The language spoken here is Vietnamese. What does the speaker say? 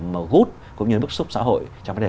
mà gút cũng như bức xúc xã hội trong vấn đề